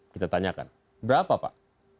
kita tanyakan berapa pak